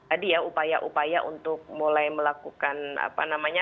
tadi ya upaya upaya untuk mulai melakukan apa namanya